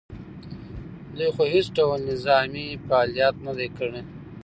دوی خو هېڅ ډول نظامي فعالیت نه دی کړی